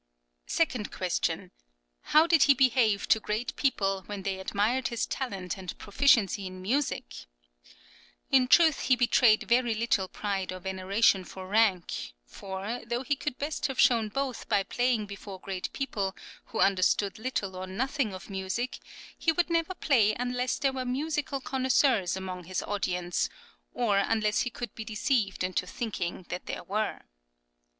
Second question: "How did he behave to great people when they admired his talent and proficiency in music?" In truth he betrayed very little pride or veneration for rank,[10032] for, though he could best have shown both by playing before great people who understood little or nothing of music, he would never play unless there were musical connoisseurs among his audience, or unless he could be deceived into thinking that there were.